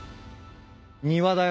庭だよ